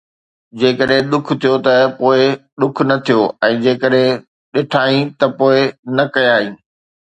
جيڪڏهن ڏک ٿيو ته پوءِ ڏک نه ٿيو ۽ جيڪڏهن ڏٺائين ته پوءِ نه ڪيائين